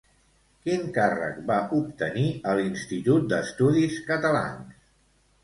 Quin càrrec va obtenir a l'Institut d'Estudis Catalans?